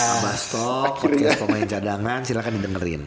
kalau ada yang mau main cadangan silahkan didengerin